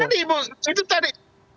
kan itu tadi